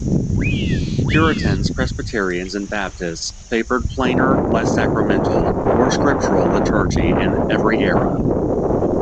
Puritans, Presbyterians and Baptists favoured plainer, less sacramental, more scriptural liturgy in every era.